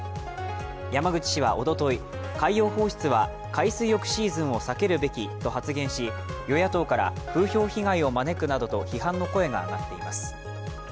山口氏はおととい、海洋放出は海水浴シーズンを避けるべきと発言し与野党から風評被害を招くなどと批判の声が上がっています。